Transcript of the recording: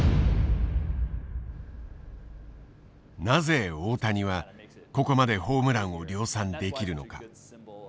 なぜ大谷はここまでホームランを量産できるのか。